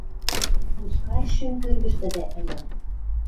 Пускай шӱм кӧргӹштӹдӓ ӹлӓ